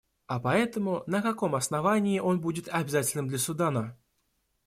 А поэтому, на каком основании он будет обязательным для Судана?